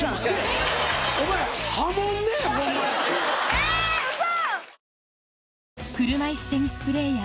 えっウソ！